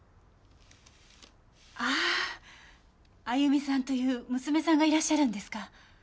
ああ亜由美さんという娘さんがいらっしゃるんですか。